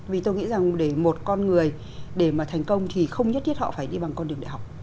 vì tôi nghĩ rằng để một con người để mà thành công thì không nhất thiết họ phải đi bằng con đường đại học